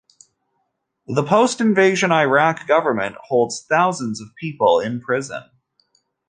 The post-invasion Iraqi government holds thousands of people in prison.